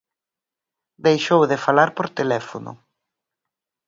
Deixou de falar por teléfono.